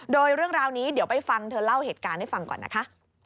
โดยเรื่องราวนี้เดี๋ยวไปฟังเธอเล่าเหตุการณ์ให้ฟังก่อนนะคะ